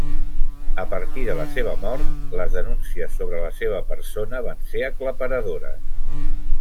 A partir de la seva mort, les denúncies sobre la seva persona van ser aclaparadores.